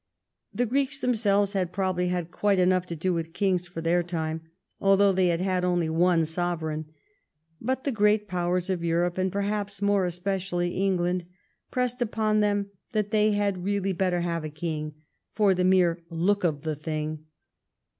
The Greeks themselves liad probably had quite enough to do with kings for their time, although they had had nnlv one sovereign. But the Great Pow ers of Europe, and perhaps more especially England, pressed upon them that they had really better have a king, for the mere look of the thing.